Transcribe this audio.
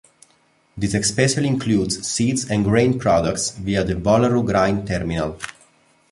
This especially includes seeds and grain products via the Wallaroo Grain Terminal.